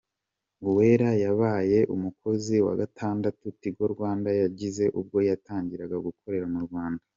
Uwera yabaye umukozi wa gatandatu Tigo Rwanda yagize ubwo yatangiraga gukorera mu Rwanda.